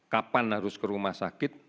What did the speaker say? kapan harus ke rumah sakit